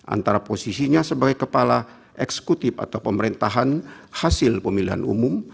antara posisinya sebagai kepala eksekutif atau pemerintahan hasil pemilihan umum